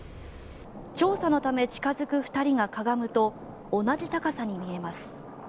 調査のため近付く２人がかがむと同じ高さに見えます。